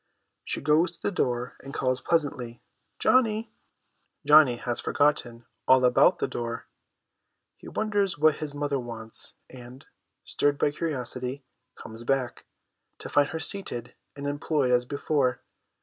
She goes to the door, and calls pleasantly, ' Johnny !' Johnny has forgotten all about the door ; he wonders what his mother wants, and, stirred by curiosity, comes back, to find her seated and employed as before.